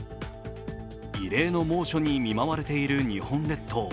異例の猛暑に見舞われている日本列島。